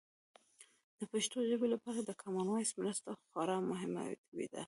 د پښتو ژبې لپاره د کامن وایس مرسته خورا مهمه ده.